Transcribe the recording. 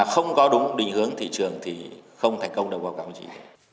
không có đúng định hướng thị trường thì không thành công được báo cáo gì